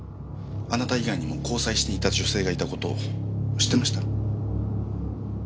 あなた以外にも交際していた女性がいた事を知ってました？